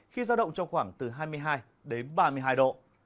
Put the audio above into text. khi giao động trong khoảng từ hai mươi hai đến ba mươi hai độ